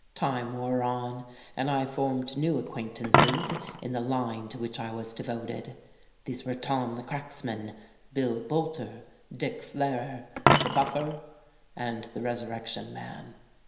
Time wore on; and I formed new acquaintances in the line to which I was devoted. These were Tom the Cracksman, Bill Bolter, Dick Flairer, the Buffer, and the Resurrection Man.